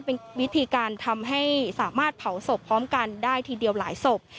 เป็นวิธีการทำให้สามารถเผาศพพร้อมกันได้ทีเดียวหลายศพ